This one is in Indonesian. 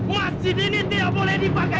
masjid mau dibakar